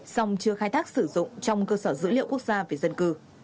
song chưa khai thác sử dụng trong cơ sở dữ liệu quốc gia về dân cư